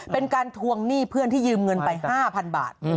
เป็นการทวงหนี้เพื่อนที่ยืมเงินไป๕๐๐๐บาท